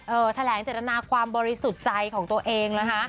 แถลงเจตนาความบริสุทธิ์ใจของตัวเองนะคะ